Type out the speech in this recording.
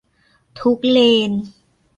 ทุกเลน